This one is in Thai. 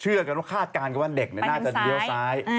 เชื่อกันข้าดการณ์ว่าเด็กในน่าจะเดียวซ้าย